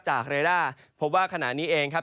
จากรายด้าแพลว่างี้เองครับ